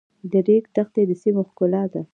د ریګ دښتې د سیمو ښکلا ده.